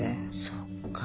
そっか。